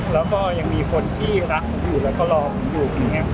แล้วก็ยังมีคนที่รักผมอยู่แล้วก็รอผมอยู่